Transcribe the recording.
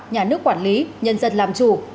nhà nước quản lý nhân dân làm chủ